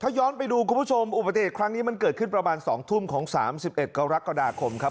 ย้อนไปดูคุณผู้ชมอุบัติเหตุครั้งนี้มันเกิดขึ้นประมาณ๒ทุ่มของ๓๑กรกฎาคมครับ